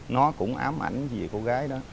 nó cũng ám ảnh về cô gái đó